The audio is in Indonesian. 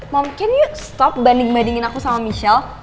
mami can you stop banding bandingin aku sama michelle